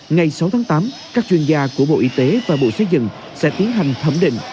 ngày sáu tháng tám các chuyên gia của bộ y tế và bộ xây dựng sẽ tiến hành thẩm định